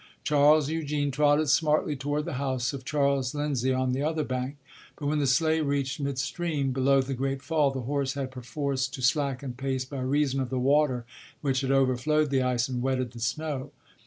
Charles Eugene trotted smartly toward the house of Charles Lindsay on the other bank. But when the sleigh reached midstream, below the great fall, the horse had perforce to slacken pace by reason of the water which had overflowed the ice and wetted the snow.